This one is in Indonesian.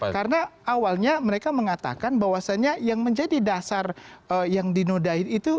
karena awalnya mereka mengatakan bahwasannya yang menjadi dasar yang dinodai itu